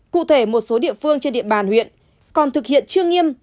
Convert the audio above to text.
cụ thể một số địa phương trên địa bàn huyện còn thực hiện chưa nghiêm